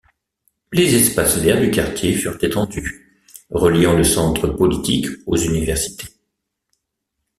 Les espaces verts du quartier furent étendus, reliant le centre politique aux universités.